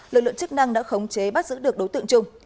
lực lượng chức năng đã khống chế bắt giữ được đối tượng trung